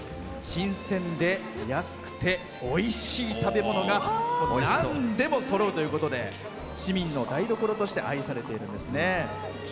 新鮮で安くておいしい食べ物がなんでもそろうということで市民の台所として愛されているんですね。